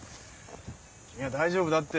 君は大丈夫だって。